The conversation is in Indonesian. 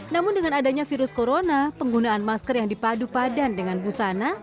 namun dengan adanya virus corona penggunaan masker yang dipadu padan dengan busana